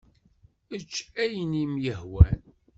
Ečč akk ayen i m-yehwan.